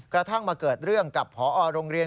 กระทั่งมาเกิดเรื่องกับพอโรงเรียน